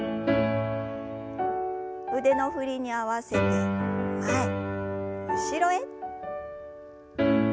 腕の振りに合わせて前後ろへ。